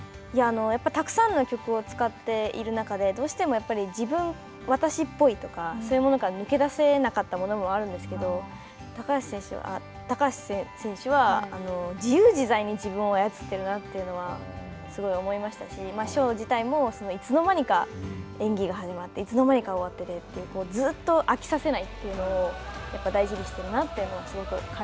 やっぱりたくさんの曲を使っている中で、どうしてもやっぱり、自分、私っぽいとか、そういうものから抜け出せなかったものもあるんですけど高橋選手は、自由自在に自分を操っているなというのはすごい思いましたし、ショー自体も、いつの間にか演技が始まって、いつの間にか終わっててという、ずうっと飽きさせないというのをやっぱり大事にしているなというのは、す